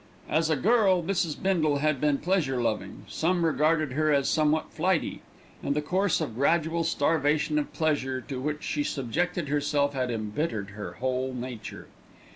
As a girl Mrs. Bindle had been pleasure loving, some regarded her as somewhat flighty; and the course of gradual starvation of pleasure to which she subjected herself had embittered her whole nature.